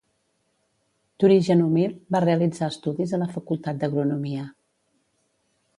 D'origen humil, va realitzar estudis a la Facultat d'Agronomia.